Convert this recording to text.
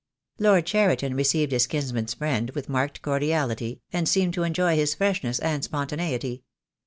Lord Cheriton received his kinsman's friend with marked cordiality, and seemed to enjoy his freshness and spontaneity.